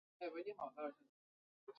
盐滨是东京都江东区的町名。